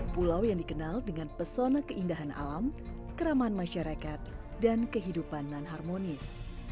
pulau yang dikenal dengan pesona keindahan alam keramahan masyarakat dan kehidupan non harmonis